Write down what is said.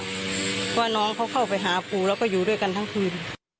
เพราะว่าน้องเขาเข้าไปหาปู่แล้วก็อยู่ด้วยกันทั้งคืน